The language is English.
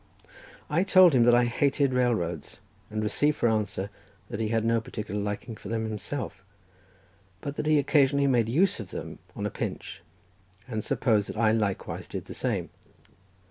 I told him that I hated railroads, and received for answer that he had no particular liking for them himself, but that he occasionally made use of them on a pinch, and supposed that I likewise did the same.